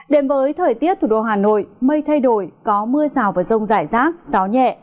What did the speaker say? đến với thời tiết thủ đô hà nội mây thay đổi có mưa rào và rông rải rác gió nhẹ